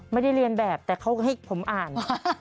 ไม่ได้เรียนแบบแต่เขาให้ผมอ่าน